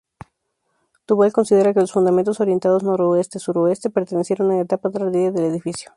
Duval considera que los fundamentos orientados noreste-suroeste pertenecieron a una etapa tardía del edificio.